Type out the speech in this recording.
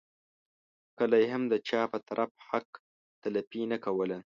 کله یې هم د چا په طرف حق تلفي نه کوله.